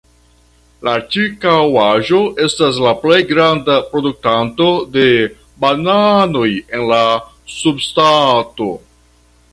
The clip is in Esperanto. La ĉirkaŭaĵo estas la plej granda produktanto de bananoj en la subŝtato.